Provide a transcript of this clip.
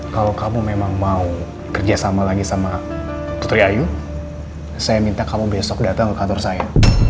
kalau kamu memang mau kerjasama lagi sama putri ayu saya minta kamu besok datang ke kantor saya